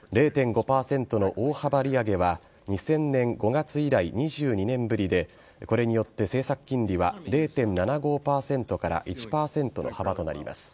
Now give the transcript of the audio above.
０．５％の大幅利上げは２０００年５月以来２２年ぶりでこれによって政策金利は０．７５％から１％の幅となります。